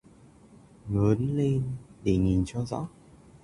Ngớn lên để nhìn cho rõ